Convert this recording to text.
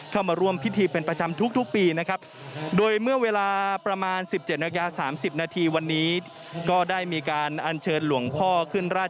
เข้ามาร่วมพิธีเป็นประจำทุกปีนะครับ